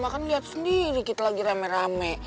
mama kan liat sendiri kita lagi rame rame